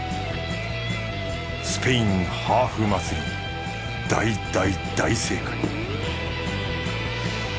スペインハーフ祭り大大大正解